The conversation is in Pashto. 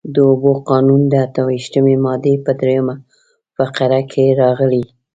د اوبو قانون د اته ویشتمې مادې په درېیمه فقره کې راغلي.